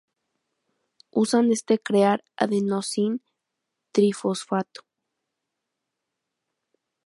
Usan este crear adenosín trifosfato.